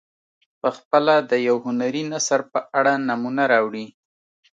پخپله د یو هنري نثر په اړه نمونه راوړي.